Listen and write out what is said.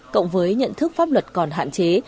cộng với nhận thức pháp luật còn hạn chế